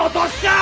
あ！